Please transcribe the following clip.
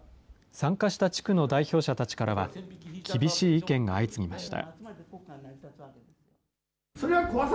参加した地区の代表者たちからは、厳しい意見が相次ぎました。